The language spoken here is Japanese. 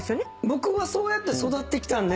僕はそうやって育ってきたんで。